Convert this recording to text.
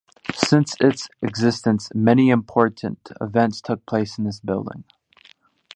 Since its existence, many important events took place in this building.